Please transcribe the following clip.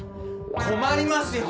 困りますよ。